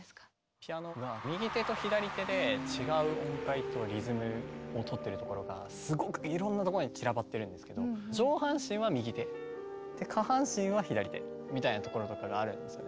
ピアノが右手と左手で違う音階とリズムをとってるところがすごくいろんなところに散らばってるんですけど上半身は右手下半身は左手みたいなところとかがあるんですよね。